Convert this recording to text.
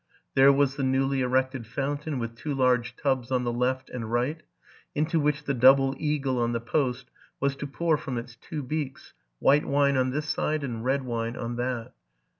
'There was the newly erected fountain, wit! two large tubs on the left and right, into which the double eagle on the post was to pour from its two beaks white wine on this side, and red wine on that.